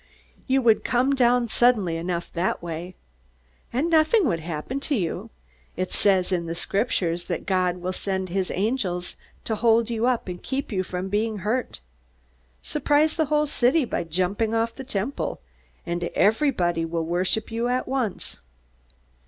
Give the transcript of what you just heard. You would come down suddenly enough that way! And nothing would happen to you. It says in the Scriptures that God will send his angels to hold you up and keep you from being hurt. Surprise the whole city by jumping off the Temple, and everybody will worship you at once!